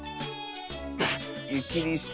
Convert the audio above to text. ゆきりして。